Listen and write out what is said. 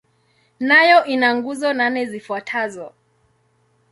Nayo ina nguzo nane zifuatazo.